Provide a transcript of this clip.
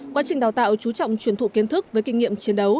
quá trình đào tạo chú trọng truyền thụ kiến thức với kinh nghiệm chiến đấu